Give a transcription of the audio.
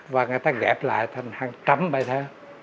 và người ta ghép lại thành hàng trăm bài thơ